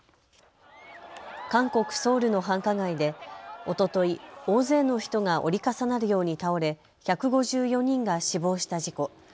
韓国・ソウルの繁華街でおととい大勢の人が折り重なるように倒れ１５４人が死亡した事故。